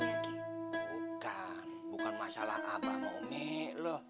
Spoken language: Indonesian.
bukan bukan masalah apa sama ummi loh